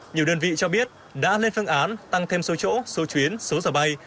nhiều đơn vị cho biết đã lên phương án tăng thêm số chỗ số chuyến số giờ bay